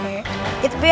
tapi aku sering